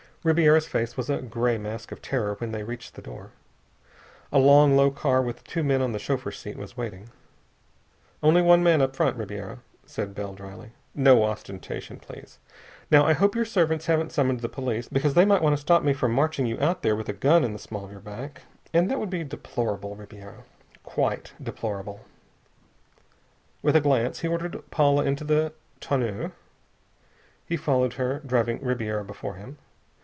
Ribiera's face was a gray mask of terror when they reached the door. A long, low car with two men on the chauffeur's seat was waiting. "Only one man up front, Ribiera," said Bell dryly. "No ostentation, please. Now, I hope your servants haven't summoned the police, because they might want to stop me from marching you out there with a gun in the small of your back. And that would be deplorable, Ribiera. Quite deplorable." With a glance, he ordered Paula into the tonneau. He followed her, driving Ribiera before him.